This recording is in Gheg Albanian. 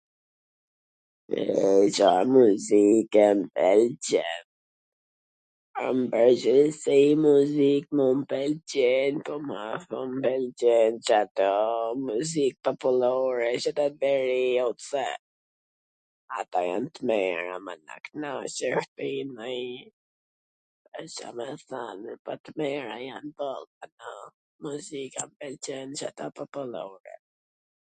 Po n pwrgjithsi muzik mu m pwlqen po ma shum m pwlqen Cato muzik popullore, veC ato t veriut pse ato jan t mira, m ato knaqesh, s di nonji Ca me than, po t mira jan boll, muzika m pwlqen, Cato popullore, e gjen muzikwn, e gjen,